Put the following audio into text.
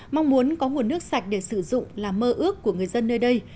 mong muốn có nguồn nước sạch để sử dụng là mơ ước của người dân nơi đây